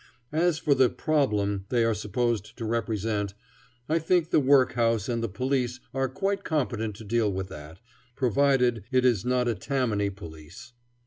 As for the "problem" they are supposed to represent, I think the workhouse and the police are quite competent to deal with that, provided it is not a Tammany police.